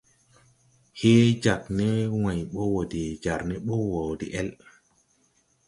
Hee jāg ne wãy bɔ wɔ de jar ni bo wo deʼel.